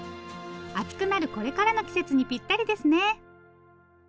暑くなるこれからの季節にぴったりですね。